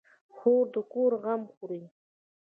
خور د کور غم خوري.